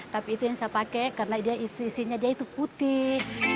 tapi itu yang saya pakai karena isinya putih